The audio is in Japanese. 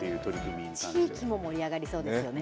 地域も盛り上がりそうですよね。